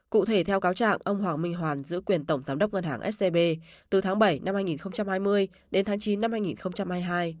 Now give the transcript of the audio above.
cụ thể theo cáo trạng ông hoàng minh hoàn giữ quyền tổng giám đốc ngân hàng scb từ tháng bảy năm hai nghìn hai mươi đến tháng chín năm hai nghìn hai mươi hai